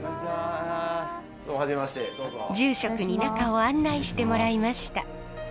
住職に中を案内してもらいました。